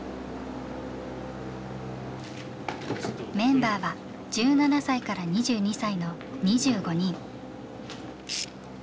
メンバーは１７歳から２２歳の２５人。